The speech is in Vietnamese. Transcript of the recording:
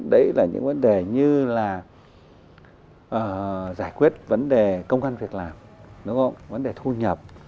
đấy là những vấn đề như là giải quyết vấn đề công an việc làm vấn đề thu nhập